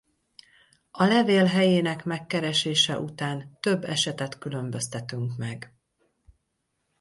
A levél helyének megkeresése után több esetet különböztetünk meg.